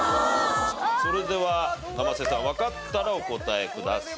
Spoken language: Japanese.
それでは生瀬さんわかったらお答えください。